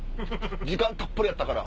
時間たっぷりあったから。